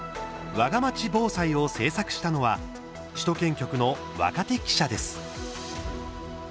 わがまち防災を制作したのは首都圏局の若手記者です。